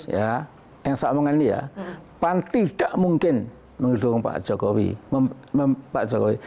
yang saya omongkan ini ya pan tidak mungkin mendukung pak jokowi